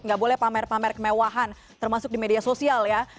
nggak boleh pamer pamer kemewahan termasuk di media sosial ya